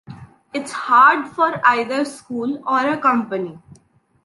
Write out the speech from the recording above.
Its hard for either school or a company.